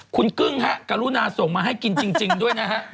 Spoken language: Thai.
คุณกึ้งฮะกรุณาส่งมาให้กินจริงด้วยนะฮะ